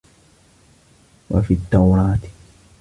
وَفِي التَّوْرَاةِ